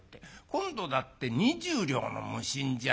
今度だって２０両の無心じゃないか。